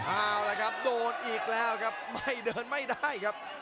เอาละครับโดนอีกแล้วครับไม่เดินไม่ได้ครับ